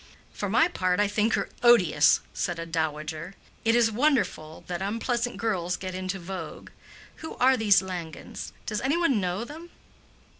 "For my part, I think her odious," said a dowager. "It is wonderful what unpleasant girls get into vogue. Who are these Langens? Does anybody know them?"